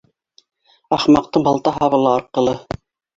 Ахмаҡтың балта һабы ла арҡылы.